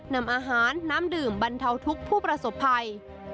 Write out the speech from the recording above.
นำอาหารน้ำดื่มบรรเทาทุกข์ผู้ประสบภัย